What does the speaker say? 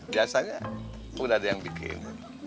biasanya pun ada yang bikinin